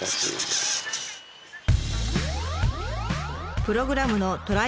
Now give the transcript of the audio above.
プログラムのトライ